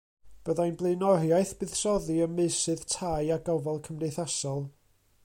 Byddai'n blaenoriaeth buddsoddi ym meysydd tai a gofal cymdeithasol.